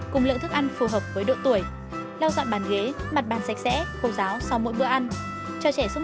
công việc đầu tiên là công việc làm quen